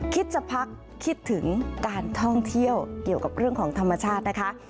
คิดจะพักคิดถึงการท่องเที่ยวเกี่ยวกับเรื่องของธรรมชาตินะคะ